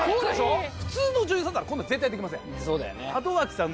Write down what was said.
普通の女優さんならこんなの絶対できません。